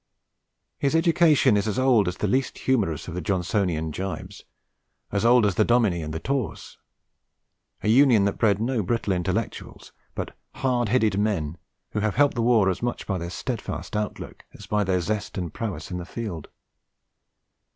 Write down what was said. His education is as old as the least humorous of the Johnsonian jibes, as old as the Dominie and the taws: a union that bred no 'brittle intellectuals,' but hard headed men who have helped the war as much by their steadfast outlook as by their zest and prowess in the field.